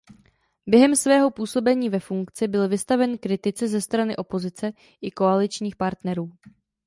Během svého působení ve funkci byl vystaven kritice ze strany opozice i koaličních partnerů.